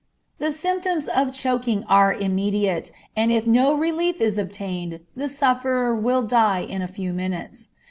The symptoms of choking are immediate, and if no relief is obtained, the sufferer will die in a few minutes.